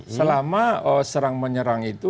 selama serang menyerang itu